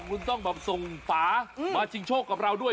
คุณต้องแบบส่งฝามาชิงโชคกับเราด้วย